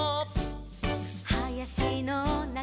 「はやしのなかへ」